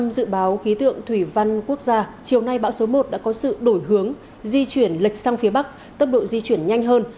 trong dự báo khí tượng thủy văn quốc gia chiều nay bão số một đã có sự đổi hướng di chuyển lệch sang phía bắc tốc độ di chuyển nhanh hơn